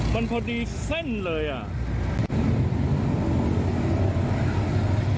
มันพอดีเส้นเลยอ่ะ